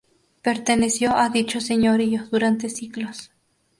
Perteneció a dicho señorío durante siglos.